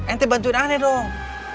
ente bantuin aneh dong